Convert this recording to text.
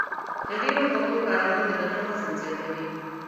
د ډېرو خوږو کارول د بدن وزن زیاتوي.